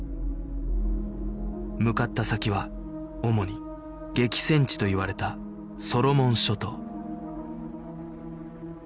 向かった先は主に激戦地といわれたソロモン諸島